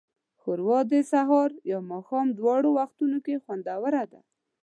ښوروا د سهار یا ماښام دواړو وختونو کې خوندوره ده.